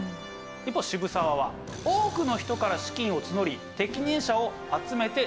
一方渋沢は多くの人から資金を募り適任者を集めて事業を任せる。